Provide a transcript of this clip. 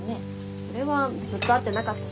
それはずっと会ってなかったし。